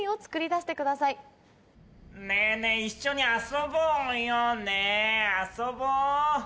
ねぇねぇ一緒に遊ぼうよねぇ遊ぼう？